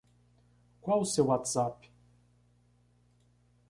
Qual o seu WhatsApp?